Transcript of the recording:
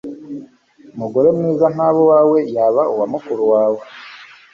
umugore mwiza ntaba uwawe, yaba uwa mukuru wawe